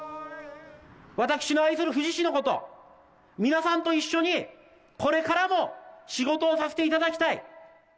私の愛する富士市のこと、皆さんと一緒に、これからも仕事をさせていただきたい。